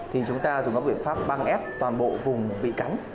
thì chúng ta dùng các biện pháp băng ép toàn bộ vùng bị cắn